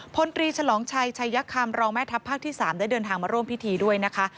พลตรีฉลองชัยชัยคำรองแม่ทัพภาคที่๓ได้เดินทางมาร่วมพิธีด้วยนะคะ